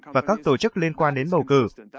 và các tổ chức liên quan đến bầu cử